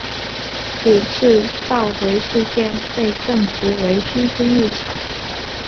此次召回事件被证实为虚惊一场。